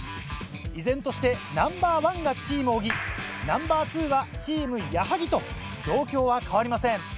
依然としてナンバー１がチーム小木ナンバー２はチーム矢作と状況は変わりません。